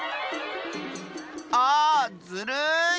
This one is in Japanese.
ああずるい！